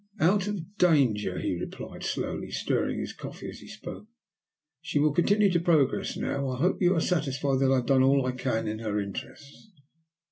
"Out of danger," he replied, slowly stirring his coffee as he spoke. "She will continue to progress now. I hope you are satisfied that I have done all I can in her interests?"